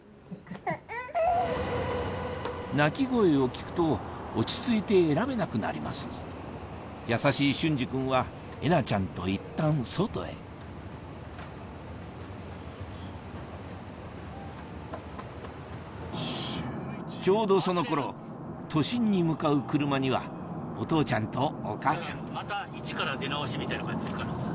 泣き声を聞くと落ち着いて選べなくなります優しい隼司君はえなちゃんといったん外へちょうどその頃都心に向かう車にはお父ちゃんとお母ちゃんまたイチから出直しみたいな感じ。